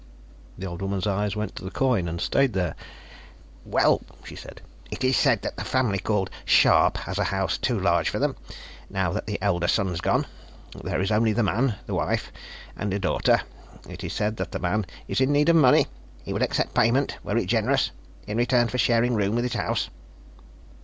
The old woman's eyes went to the coin and stayed there. "Well," she said. "It is said that the family called Scharpe has a house too large for them, now that the elder son is gone; there is only the man, his wife and a daughter. It is said that the man is in need of money; he would accept payment, were it generous, in return for sharing room in his house."